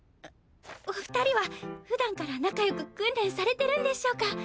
お２人は普段から仲良く訓練されてるんでしょうか？